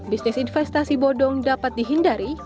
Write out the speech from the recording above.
bisnis investasi bodong dapat dihindari